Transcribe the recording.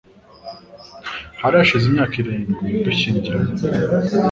Hari hashize imyaka irindwi dushyingiranywe.